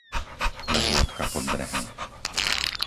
Lehôtka pod Brehmi